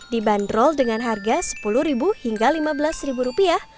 dibanderol dengan harga sepuluh hingga lima belas rupiah